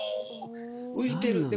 浮いてる。